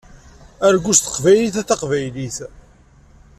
Argu s teqbaylit a taqbaylit!